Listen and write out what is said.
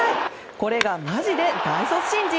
これがマジで大卒新人？